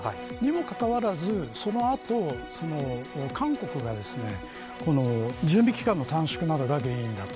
にもかかわらず、その後韓国が準備期間の短縮などが原因だと。